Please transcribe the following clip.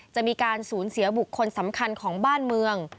จะมีการสูญเสียบุคคลสำคัญของบ้านเมือง